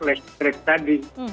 pembayaran tarif listrik tadi